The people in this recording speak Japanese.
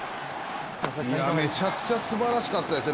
めちゃくちゃすばらしかったですね。